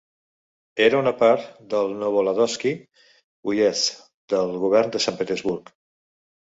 Era una part del Novoladozhsky Uyezd del govern de Sant Petersburg.